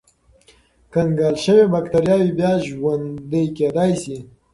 کنګل شوې بکتریاوې بیا ژوندی کېدای شي.